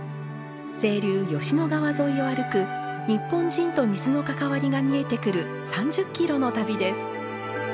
清流吉野川沿いを歩く日本人と水の関わりが見えてくる３０キロの旅です。